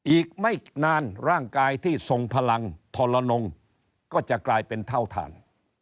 อีกไม่นานร่างกายที่ทรงพลังทรนงก็จะกลายเป็นเท่าทาน